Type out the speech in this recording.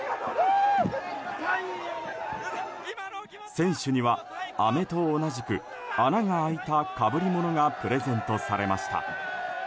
選手には、アメと同じく穴が開いた被り物がプレゼントされました。